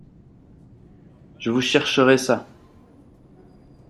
Je vous chercherai ça !…